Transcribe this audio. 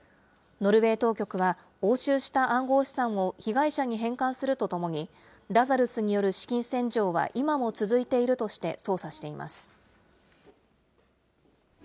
ノルウェー当局は、押収した暗号資産を被害者に返還するとともに、ラザルスによる資金洗浄は今も続いているとして捜査しています。